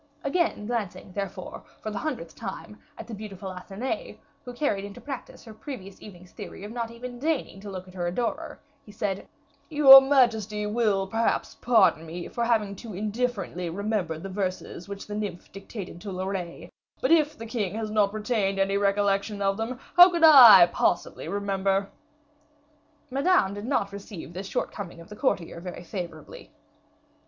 Again glancing, therefore, for the hundredth time at the beautiful Athenais, who carried into practice her previous evening's theory of not even deigning to look at her adorer, he said: "Your majesty will perhaps pardon me for having too indifferently remembered the verses which the nymph dictated to Loret; but if the king has not retained any recollection of them, how could I possibly remember?" Madame did not receive this shortcoming of the courtier very favorably.